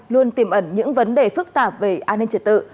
luôn tiềm ẩn những vấn đề phức tạp về an ninh trật tự